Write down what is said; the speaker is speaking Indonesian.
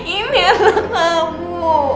ini anak kamu